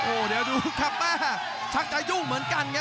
โอ้เดี๋ยวดูครับชักจะยุ่งเหมือนกันไง